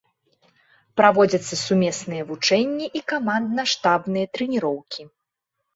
Праводзяцца сумесныя вучэнні і камандна-штабныя трэніроўкі.